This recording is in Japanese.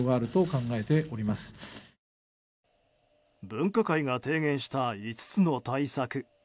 分科会が提言した５つの対策。